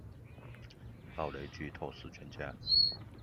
暴雷劇透死全家